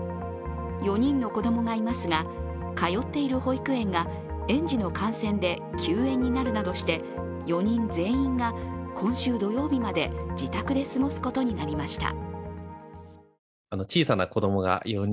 ４人の子供がいますが、通っている保育園が園児の感染で休園になるなどして４人全員が今週土曜日まで自宅で過ごすことになりました。